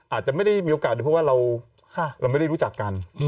อาจจะไม่ได้มีโอกาสดูเพราะว่าเราไม่ได้รู้จักกัน